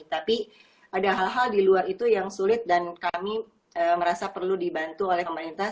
tapi ada hal hal di luar itu yang sulit dan kami merasa perlu dibantu oleh pemerintah